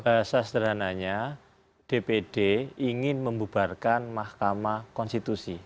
bahasa sederhananya dpd ingin membubarkan mahkamah konstitusi